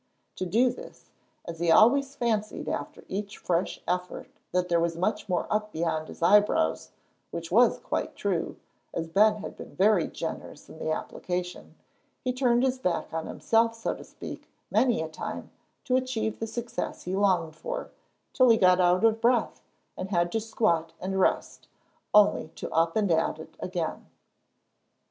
To do this, as he always fancied after each fresh effort that there was much more up beyond his eyebrows, which was quite true, as Ben had been very generous in the application, he turned his back on himself, so to speak, many a time, to achieve the success he longed for till he got out of breath, and had to squat and rest, only to up and at it again.